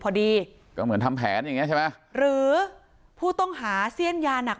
พอดีก็เหมือนทำแผนอย่างเงี้ใช่ไหมหรือผู้ต้องหาเสี้ยนยาหนัก